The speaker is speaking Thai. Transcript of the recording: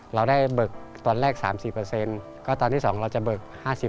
เราได้เบิกตอนแรก๓๔ก็ตอนที่๒เราจะเบิก๕๐